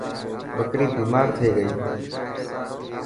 ٻڪري بيمار ٿي گئي.